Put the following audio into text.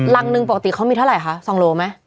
รังหนึ่งปกติเขามีเท่าไหร่คะ๒โลไหม